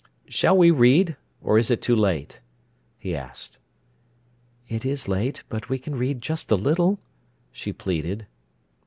"Shall we read, or is it too late?" he asked. "It is late—but we can read just a little," she pleaded.